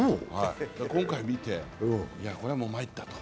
今回見て、これはもう、まいったと。